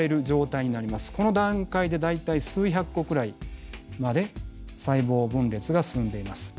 この段階で大体数百個くらいまで細胞分裂が進んでいます。